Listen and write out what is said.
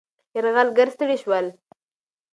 یرغلګر ستړي شول.